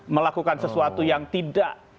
melakukan sesuatu yang tidak